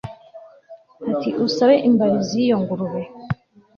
Ati Usabe imbari ziyo ngurube